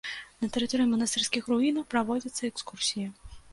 На тэрыторыі манастырскіх руінаў праводзяцца экскурсіі.